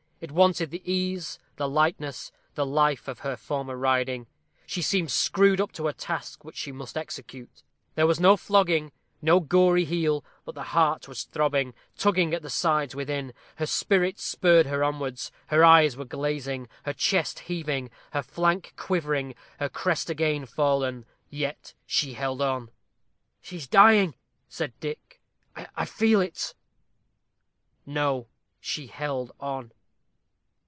It wanted the ease, the lightness, the life of her former riding. She seemed screwed up to a task which she must execute. There was no flogging, no gory heel; but the heart was throbbing, tugging at the sides within. Her spirit spurred her onwards. Her eye was glazing; her chest heaving; her flank quivering; her crest again fallen. Yet she held on. "She is dying!" said Dick. "I feel it " No, she held on.